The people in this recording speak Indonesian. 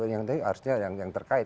yang harusnya yang terkait